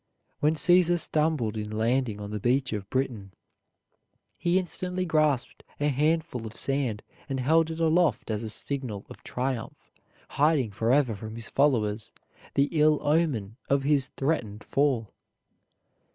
When Caesar stumbled in landing on the beach of Britain, he instantly grasped a handful of sand and held it aloft as a signal of triumph, hiding forever from his followers the ill omen of his threatened fall.